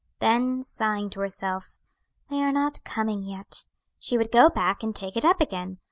Then sighing to herself, "They are not coming yet," she would go back and take it up again.